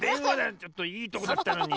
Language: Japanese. ちょっといいとこだったのに。